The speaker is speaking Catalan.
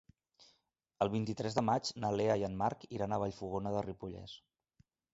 El vint-i-tres de maig na Lea i en Marc iran a Vallfogona de Ripollès.